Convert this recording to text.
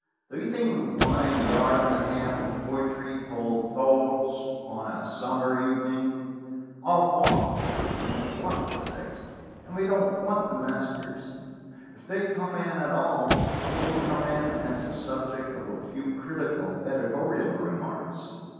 Do you think we want a yard and a half of poetry called 'Thoughts on a Summer Evening'? Avaunt! We don't want the sixth, and we don't want the masters. If they come in at all, they will come in as the subject of a few critical editorial remarks.